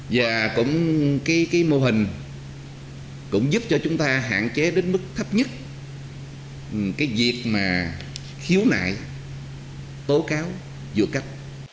và cũng cái mô hình cũng giúp cho chúng ta hạn chế đến mức thấp nhất cái việc mà khiếu nại tố cáo giữa cấp